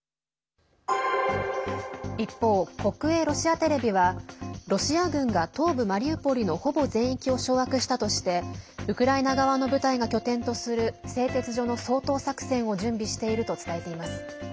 一方、国営ロシアテレビはロシア軍が東部マリウポリのほぼ全域を掌握したとしてウクライナ側の部隊が拠点とする製鉄所の掃討作戦を準備していると伝えています。